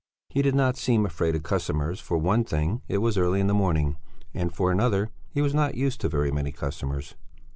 He did not seem afraid of customers; for one thing it was early in the morning and for another he was not used to very many customers.